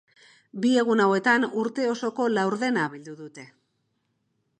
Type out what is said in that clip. Bi egun hauetan, urte osoko laurdena bildu dute.